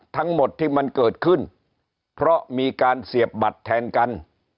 ทั้งหมดที่มันเกิดขึ้นเพราะมีการเสียบบัตรแทนกัน